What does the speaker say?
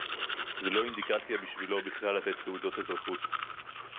זה לא אינדיקציה בשבילו בכלל לתת תעודת אזרחות